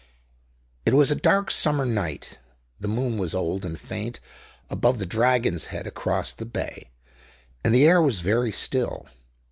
It was a dark summer night. The moon was old and faint, above the Dragon's Head across the bay, and the air was very still.